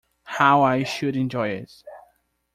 How I should enjoy it!